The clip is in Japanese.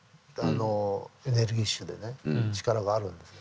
エネルギッシュでね力があるんですよ。